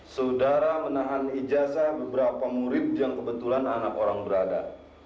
saudara menahan ijazah beberapa murid yang kebetulan anak orang berada